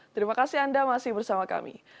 terima kasih anda masih bersama kami